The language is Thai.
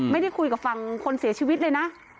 ไม่ได้คุยกับฝั่งคนเสียชีวิตเลยนะ